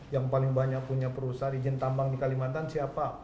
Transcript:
yang paling banyak punya perusahaan izin tambang di kalimantan siapa